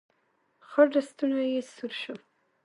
خړ لستوڼی يې سور شو.